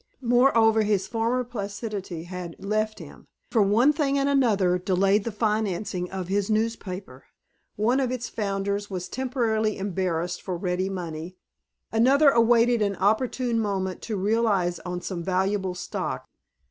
Moreover, his former placidity had left him, for one thing and another delayed the financing of his newspaper. One of its founders was temporarily embarrassed for ready money, another awaited an opportune moment to realize on some valuable stock.